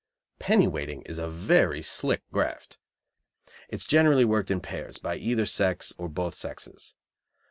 Penny weighting is a very "slick" graft. It is generally worked in pairs, by either sex or both sexes.